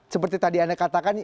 seperti tadi anda katakan